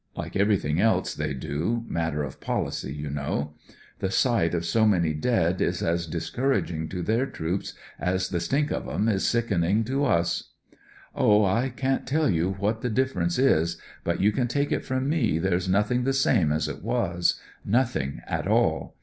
Like everything else theydo— matter of policy, you know. The 196 THE DDTERENCE sight of so many dead is as discouraging to their troops as the stink of 'em is sickening to us. '■Oh, I can't tell you what the difference is, but you can take it from me there's nothing the same as it was, nothing at all.